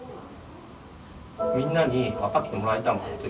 みんなに分かってもらえたもんあの時。